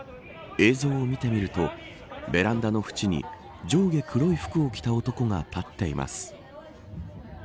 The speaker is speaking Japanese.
映像を見てみるとベランダの縁に上下黒い服を着た男が立っています。